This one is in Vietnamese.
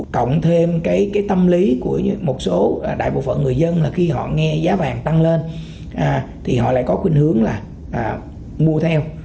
cộng thêm cái tâm lý của một số đại bộ phận người dân là khi họ nghe giá vàng tăng lên thì họ lại có khuyến hướng là mua theo